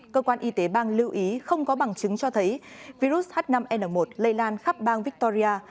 cơ quan y tế bang lưu ý không có bằng chứng cho thấy virus h năm n một lây lan khắp bang victoria